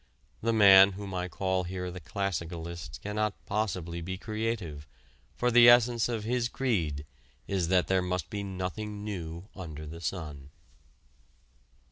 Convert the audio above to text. The man whom I call here the classicalist cannot possibly be creative, for the essence of his creed is that there must be nothing new under the sun.